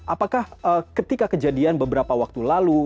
apakah ketika kejadian beberapa waktu lalu